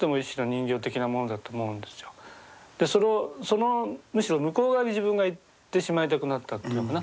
そのむしろ向こう側に自分が行ってしまいたくなったというのかな。